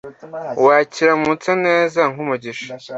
wakiramutsa neza nk'umugisha,